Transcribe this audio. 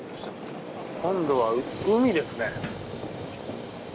今度は海ですね。